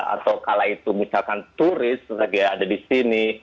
atau kala itu misalkan turis lagi ada di sini